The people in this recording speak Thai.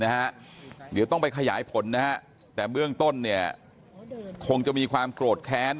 เดี๋ยวต้องไปขยายผลนะฮะแต่เบื้องต้นเนี่ยคงจะมีความโกรธแค้น